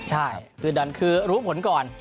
ใช่คือดันคือรู้ผลก่อน